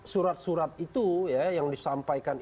surat surat itu ya yang disampaikan